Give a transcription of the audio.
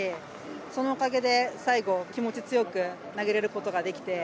そのおかげで、最後気持ち強く投げれることができて